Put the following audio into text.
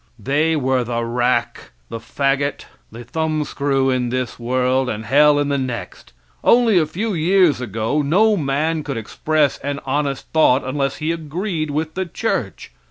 They were the rack, the faggot, the thumbscrew in this world, and hell in the next. Only a few years ago no man could express an honest thought unless he agreed with the church.